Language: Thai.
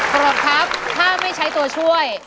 สำหรับครับถ้าไม่ใช่ตัวช่วย